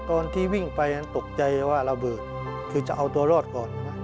ตอนที่วิ่งไปนั้นตกใจว่าระเบิดคือจะเอาตัวรอดก่อน